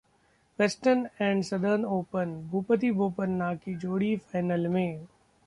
western and southern open: भूपति-बोपन्ना की जोड़ी final में